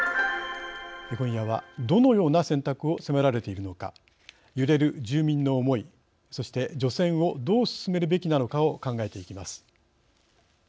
今夜はどのような選択を迫られているのか揺れる住民の思いそして除染をどう進めるべきなのかを考えていきます。